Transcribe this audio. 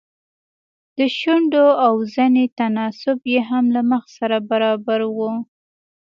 د شونډو او زنې تناسب يې هم له مخ سره برابر و.